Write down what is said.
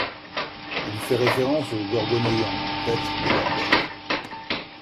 Il fait référence au Gorgonéion, tête de Gorgone.